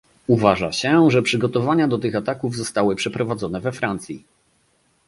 Uważa się, że przygotowania do tych ataków zostały przeprowadzone we Francji